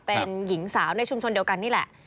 เป็นหญิงสาวในชุมชนเดียวกันนี่แหละ